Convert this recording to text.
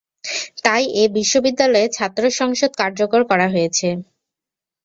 তাই এ বিশ্ববিদ্যালয়ে ছাত্র সংসদ কার্যকর করা হয়েছে।